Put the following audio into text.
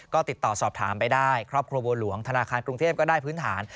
ก็ติดต่อสอบถามไปได้ครอบครัวบัวหลวงธนาคารกรุงเทพก็ได้พื้นฐาน